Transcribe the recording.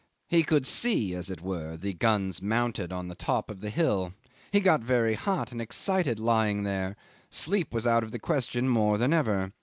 He could see, as it were, the guns mounted on the top of the hill. He got very hot and excited lying there; sleep was out of the question more than ever.